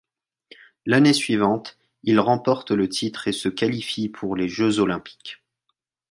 L'année suivante, ils remportent le titre et se qualifient pour les jeux olympiques.